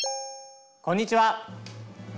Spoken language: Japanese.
こんにちは。